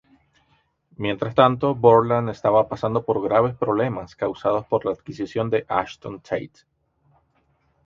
Mientras tanto, Borland estaba pasando por graves problemas causados por la adquisición de Ashton-Tate.